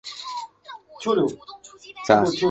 新疆卷叶蛛为卷叶蛛科卷叶蛛属的动物。